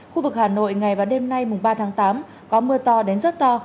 khu vực hà nội ngày và đêm nay mùng ba tháng tám có mưa to đến rất to